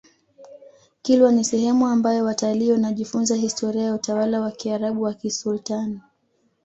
kilwa ni sehemu ambayo watalii wanajifunza historia ya utawala wa kiarabu wa kisultani